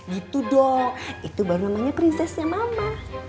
gitu dong itu baru namanya prinsesnya mama